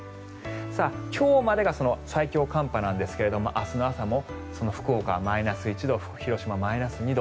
今日までが最強寒波なんですが明日の朝も福岡、マイナス１度広島、マイナス２度。